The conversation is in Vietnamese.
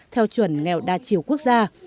theo chuẩn nghèo đa chiều quốc gia